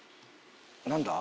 何だ？